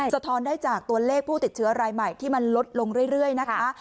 สะท้อนได้จากตัวเลขผู้ติดเชื้อรายใหม่ที่มันลดลงเรื่อยนะคะ